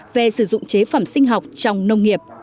về sử dụng chế phẩm sinh học trong nông nghiệp